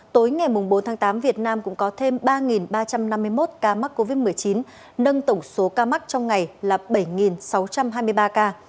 tối ngày bốn tháng tám việt nam cũng có thêm ba ba trăm năm mươi một ca mắc covid một mươi chín nâng tổng số ca mắc trong ngày là bảy sáu trăm hai mươi ba ca